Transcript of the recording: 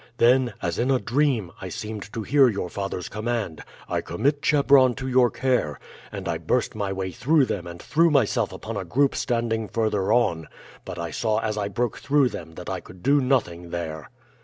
Then, as in a dream, I seemed to hear your father's command, 'I commit Chebron to your care,' and I burst my way through them and threw myself upon a group standing further on, but I saw as I broke through them that I could do nothing there.